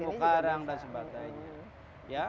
terumpu karang dan sebagainya